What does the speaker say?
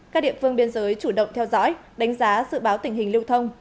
các địa phương biên giới chủ động theo dõi đánh giá dự báo tình hình lưu thông